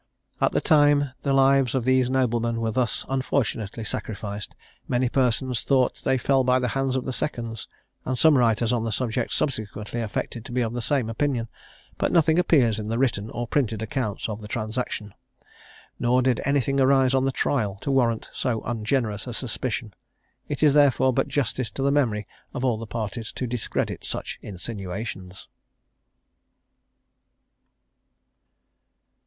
At the time the lives of these noblemen were thus unfortunately sacrificed, many persons thought they fell by the hands of the seconds; and some writers on the subject subsequently affected to be of the same opinion: but nothing appears in the written or printed accounts of the transaction, nor did anything arise on the trial, to warrant so ungenerous a suspicion; it is therefore but justice to the memory of all the parties to discredit such insinuations.